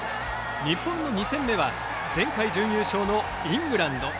日本の２戦目は前回準優勝のイングランド。